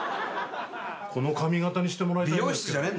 この髪形にしてもらいたい。